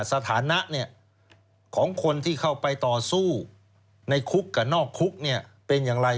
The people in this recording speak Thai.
สถานะของคนที่เข้าไปต่อสู้ในคุกกับนอกคุกเป็นอย่างไร